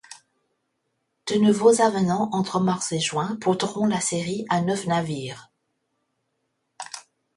De nouveaux avenants entre mars et juin porteront la série à neuf navires.